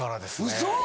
ウソ！